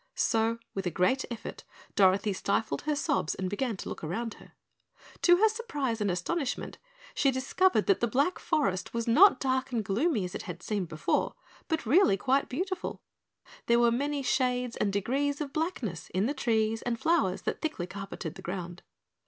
So, with a great effort, Dorothy stifled her sobs and began to look around her. To her surprise and astonishment she discovered that the Black Forest was not dark and gloomy as it had seemed before, but really quite beautiful. There were many shades and degrees of blackness in the trees and flowers that thickly carpeted the ground.